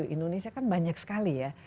indonesia kan banyak sekali ya